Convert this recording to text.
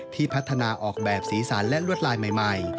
พัฒนาออกแบบสีสันและลวดลายใหม่